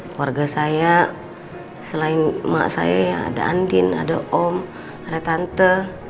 keluarga saya selain emak saya ya ada andin ada om ada tante